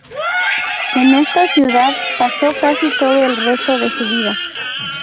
En esta ciudad pasó casi todo el resto de su vida.